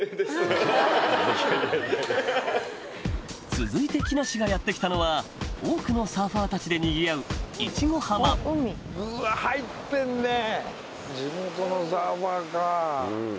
続いて木梨がやって来たのは多くのサーファーたちでにぎわういったねぇ！